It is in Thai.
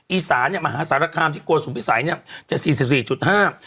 อีสานเนี้ยมหาสารคามที่โกสุมพิสัยเนี้ยจะสี่สิบสี่จุดห้า